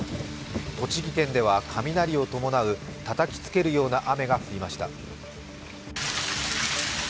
栃木県では雷を伴う、たたきつけるような雨が降りました。